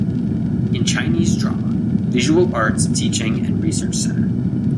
In Chinese drama, visual arts teaching and research center.